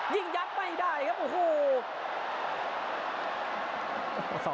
ยิ่งยัดไม่ได้ครับโอ้โห